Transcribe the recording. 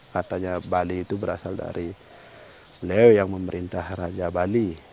katanya bali itu berasal dari beliau yang memerintah raja bali